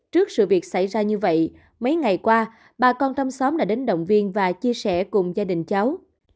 trước sự việc xảy ra như vậy mấy ngày qua bà con trong xóm đã đến động viên và chia sẻ cùng gia đình cháu